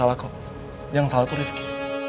aku mau pergi